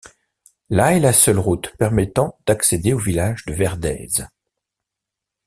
La est la seule route permettant d'accéder au village de Verdèse.